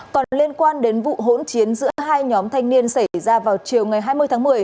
còn liên quan đến vụ hỗn chiến giữa hai nhóm thanh niên xảy ra vào chiều ngày hai mươi tháng một mươi